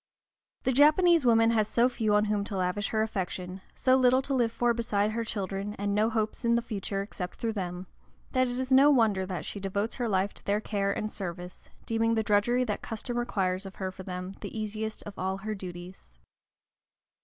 The Japanese woman has so few on whom to lavish her affection, so little to live for beside her children, and no hopes in the future except through them, that it is no wonder that she devotes her life to their care and service, deeming the drudgery that custom requires of her for them the easiest of all her duties.